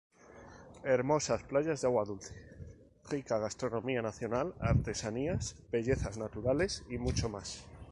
Hermosas playas de agua dulce, rica gastronomía nacional, artesanías, bellezas naturales, y mucho más.